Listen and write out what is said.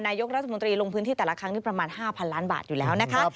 นายกรัฐมนตรีลงพื้นที่แต่ละครั้งนี้ประมาณ๕๐๐ล้านบาทอยู่แล้วนะคะ